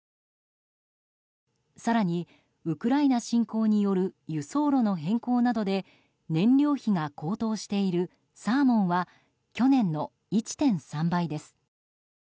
更に、ウクライナ侵攻による輸送路の変更などで燃料費が高騰しているサーモンは去年の１．３倍です。